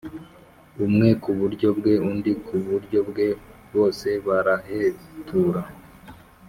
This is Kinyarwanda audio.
umwe ku buryo bwe undi ku buryo bwe, bose barahetura